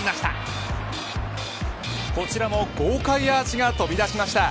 こちらも豪快アーチが飛び出しました。